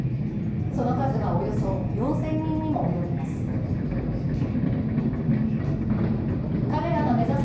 その数は、およそ４０００人にも及びます。